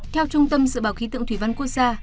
theo trung tâm dự báo khí tượng thủy văn quốc gia